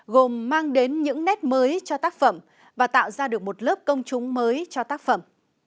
gồm mang đến những nét mới cho tác phẩm và tạo ra được một lớp công chúng mới cho tác phẩm